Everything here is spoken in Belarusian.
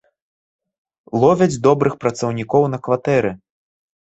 Ловяць добрых працаўнікоў на кватэры!